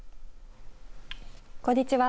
こんにちは。